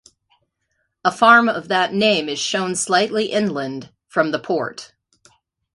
A farm of that name is shown slightly inland from the port.